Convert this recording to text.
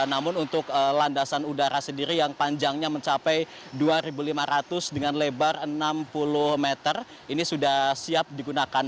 namun untuk landasan udara sendiri yang panjangnya mencapai dua lima ratus dengan lebar enam puluh meter ini sudah siap digunakan